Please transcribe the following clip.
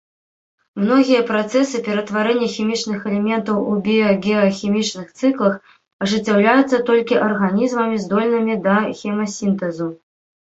Многія працэсы ператварэння хімічных элементаў у біягеахімічных цыклах ажыццяўляюцца толькі арганізмамі, здольнымі да хемасінтэзу.